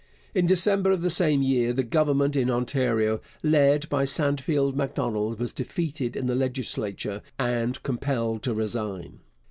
In December of the same year the Government in Ontario led by Sandfield Macdonald was defeated in the legislature and compelled to resign.